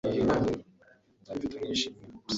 nzabifata nk'ishimwe ryose